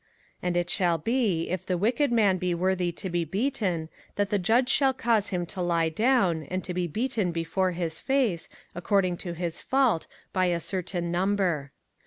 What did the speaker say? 05:025:002 And it shall be, if the wicked man be worthy to be beaten, that the judge shall cause him to lie down, and to be beaten before his face, according to his fault, by a certain number.